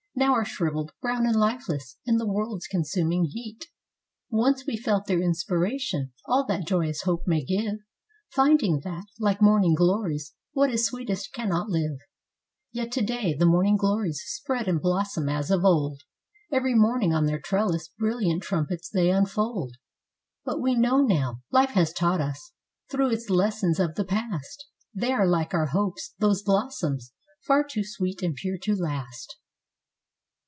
Now are shriveled, brown and lifeless, in the world's consuming heat; Once we felt their inspiration, all that joy¬ ous hope may give, Finding that, like morning glories, what is sweetest cannot live. Yet today the morning glories spread and blossom as of old. Every morning on their trellis brilliant trumpets they unfold; But we know now—Life has taught us, through its lessons of the past— They are like our hopes, those blossoms— far too sweet and pure to last.